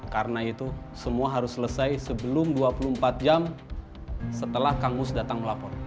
karena itu semua harus selesai sebelum dua puluh empat jam setelah kang gus datang melapor